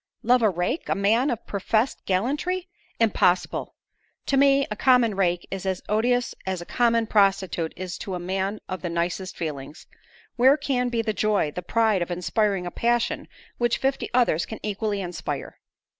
love a rake, a man of professed gallantry? impossible. To me, a common rake is as odious as a common prostitute is to a man of the nicest feelings. Where can be the joy, the pride, of inspiring a passion which fifty others can equally inspire?"